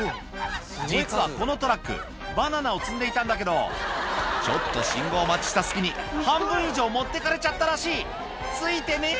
実はこのトラック、バナナを積んでいたんだけど、ちょっと信号待ちした隙に、半分以上、持ってかれちゃったらしい。